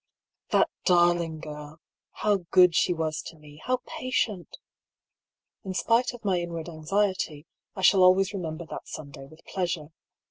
That darling girl ! How good she was to me, how patient ! In spite of my inward anxiety, I shall always remem ber that Sunday with pleasure.